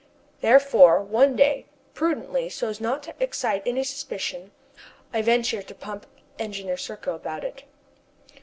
Therefore, one day, prudently, so as not to excite any suspicion, I ventured to pump Engineer Serko about it.